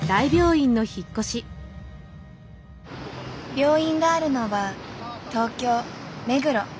病院があるのは東京・目黒。